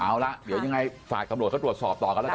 เอาละเดี๋ยวยังไงฝากตำรวจเขาตรวจสอบต่อกันแล้วกัน